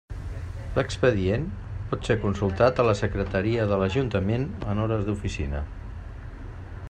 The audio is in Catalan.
L'expedient pot ser consultat a la Secretaria de l'Ajuntament en hores d'oficina.